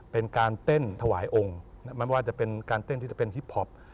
เป็นการเต้นถวายองค์ไม่ว่าจะเป็นการเต้นที่จะเป็นฮิปพอป